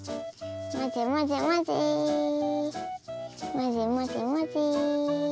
まぜまぜまぜ。